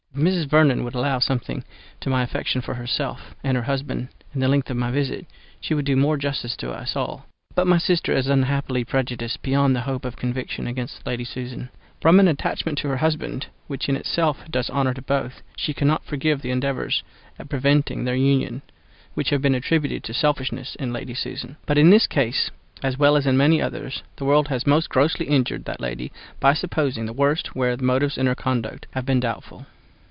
If Mrs. Vernon would allow something to my affection for herself and her husband in the length of my visit, she would do more justice to us all; but my sister is unhappily prejudiced beyond the hope of conviction against Lady Susan. From an attachment to her husband, which in itself does honour to both, she cannot forgive the endeavours at preventing their union, which have been attributed to selfishness in Lady Susan; but in this case, as well as in many others, the world has most grossly injured that lady, by supposing the worst where the motives of her conduct have been doubtful.